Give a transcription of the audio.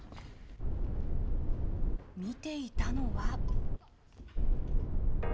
見ていたのは。